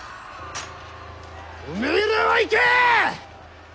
おめえらは行け！